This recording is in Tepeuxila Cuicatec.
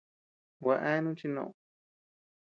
Gua eanu chi noʼod.